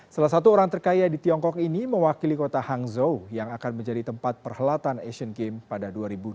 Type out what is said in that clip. salah satu orang terkaya di tiongkok ini mewakili kota hangzhou yang akan menjadi tempat perhelatan asian games pada dua ribu dua puluh